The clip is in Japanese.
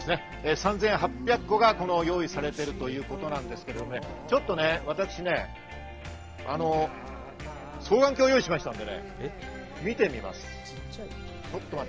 ３８００戸が用意されているということですが、私ね、双眼鏡を用意しましたので、ちょっと見てみます。